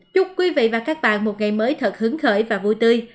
chúc quý vị và các bạn một ngày mới thật hứng khởi và vui tươi